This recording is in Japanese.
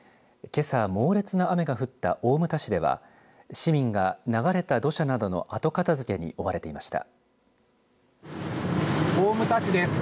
けさ、猛烈な雨が降った大牟田市では市民が流れた土砂などの後片づけに追われていました。